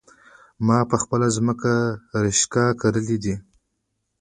ما په خپله ځمکه رشکه کرلي دي